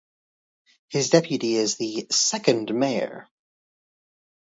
His deputy is the "Second Mayor".